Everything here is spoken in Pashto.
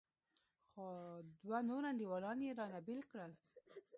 خو دوه نور انډيوالان يې رانه بېل کړل.